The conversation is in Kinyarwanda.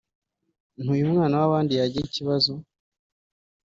nti uyu mwana w’abandi yagira ikibazo